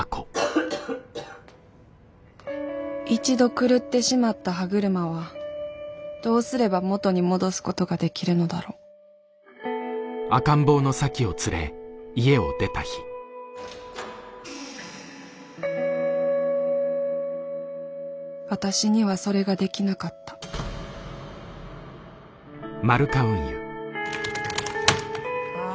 ・一度狂ってしまった歯車はどうすれば元に戻すことができるのだろう私にはそれができなかったあ